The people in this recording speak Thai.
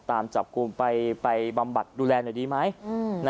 ตามจับกลุ่มไปบำบัดดูแลหน่อยดีไหม